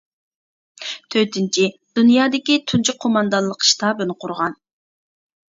تۆتىنچى، دۇنيادىكى تۇنجى قوماندانلىق ئىشتابىنى قۇرغان.